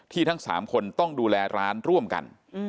ทั้ง๓คนต้องดูแลร้านร่วมกัน